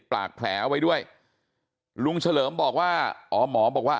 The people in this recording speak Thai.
ปากแผลเอาไว้ด้วยลุงเฉลิมบอกว่าอ๋อหมอบอกว่า